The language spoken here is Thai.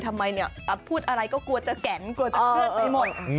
ทำไมพูดอะไรก็กลัวจะแก๋นกลัวจะเคลื่อนไปมอง